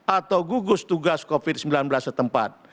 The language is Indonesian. atau gugus tugas covid sembilan belas setempat